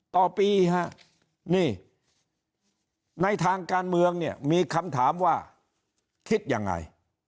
ต่อปีฮะนี่ในทางการเมืองเนี่ยมีคำถามว่าคิดยังไง